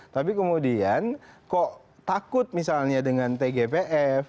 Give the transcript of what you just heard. tapi kemudian kok takut misalnya dengan tgpf